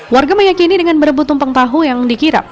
warga meyakini dengan berebut tumpeng tahu yang dikirap